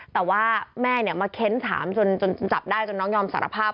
แต่ว่าแม่มาเค้นถามจนจับได้จนน้องยอมสารภาพ